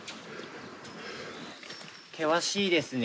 険しいですね。